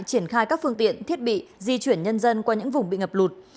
triển khai các phương tiện thiết bị di chuyển nhân dân qua những vùng bị ngập lụt